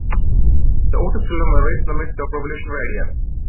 The Otis children were "raised in the midst of revolutionary ideals".